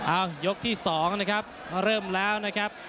ยกที่๒นะครับเริ่มแล้วนะครับ